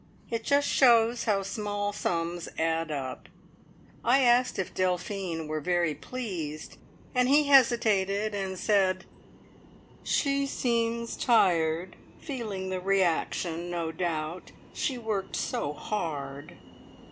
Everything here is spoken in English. It just shows how small sums add up. I asked if Delphine were very pleased, and he hesitated, and said: "She seems tired. Feeling the reaction, no doubt. She worked so hard."